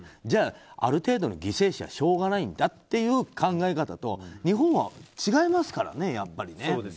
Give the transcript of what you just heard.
じゃあ、ある程度の犠牲者はしょうがないんだという考え方と日本は違いますからね、やっぱり。